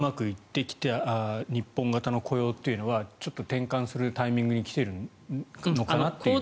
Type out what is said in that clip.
今までうまくいってきた日本型の雇用というのはちょっと転換するタイミングに来ているのかなっていう。